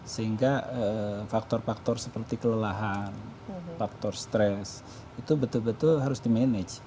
sehingga faktor faktor seperti kelelahan faktor stres itu betul betul harus di manage